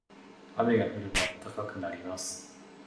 雨が降ると暖かくなります。